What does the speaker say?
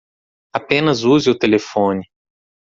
Apenas use o telefone.